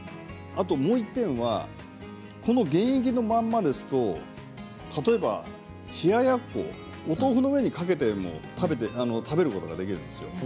あともう１点はこの原液のままですと例えば冷ややっこお豆腐の上にかけて食べることができるんです。